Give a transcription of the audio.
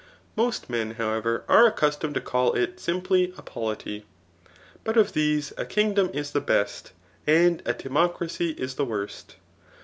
Most men, however, are accustomed to call it £siniply3 a polity. But of these, a kingdom is the bes^ and a timoctacy is the worst.